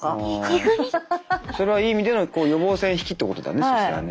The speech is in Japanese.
それはいい意味での予防線引きってことだねそしたらね。